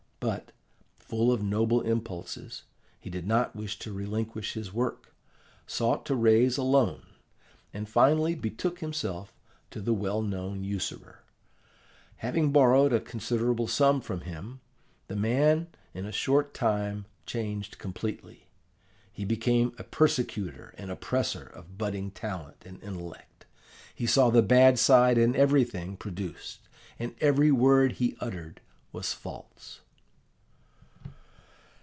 But, full of noble impulses, he did not wish to relinquish his work, sought to raise a loan, and finally betook himself to the well known usurer. Having borrowed a considerable sum from him, the man in a short time changed completely. He became a persecutor and oppressor of budding talent and intellect. He saw the bad side in everything produced, and every word he uttered was false.